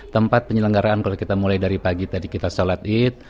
tempat penyelenggaraan kalau kita mulai dari pagi tadi kita sholat id